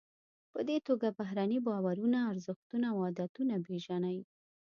په دې توګه بهرني باورونه، ارزښتونه او عادتونه پیژنئ.